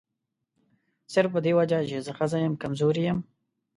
صرف په دې وجه چې زه ښځه یم کمزوري یم.